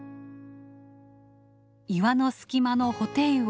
岩の隙間のホテイウオ。